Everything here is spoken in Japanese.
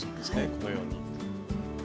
このように。